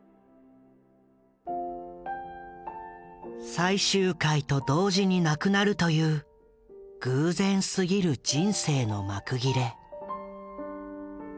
最終回と同時に亡くなるという偶然すぎる人生の幕切れ。